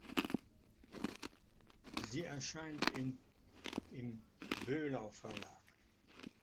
Sie erscheint im Böhlau Verlag.